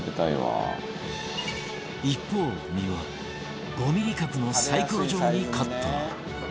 一方身は５ミリ角のサイコロ状にカット